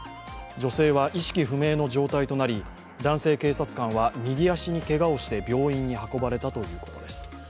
女性は意識不明の状態となり男性警察官は右足にけがをして病院に運ばれたということです。